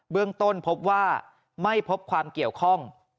เรื่องต้นพบว่าไม่พบความเกี่ยวข้อง